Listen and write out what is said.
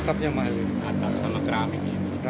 atap sama keramik